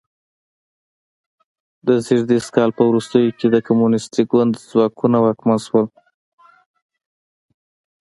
د ز کال په وروستیو کې د کمونیستي ګوند ځواکونه واکمن شول.